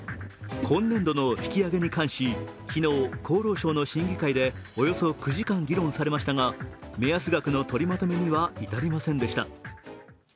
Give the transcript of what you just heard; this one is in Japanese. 今年度の引き揚げに関し昨日厚労省の審議会でおよそ９時間議論されましたが目安額の取りまとめには至りませんでした。